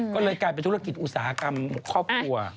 ก็เลยกลายเป็นธุรกิจอุตสาหกรรมครอบครัว